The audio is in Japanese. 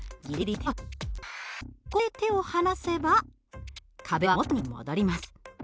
ここで手を離せば壁は元に戻ります。